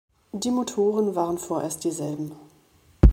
Die Motoren waren vorerst dieselben.